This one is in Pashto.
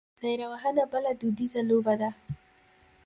نیره وهنه بله دودیزه لوبه ده.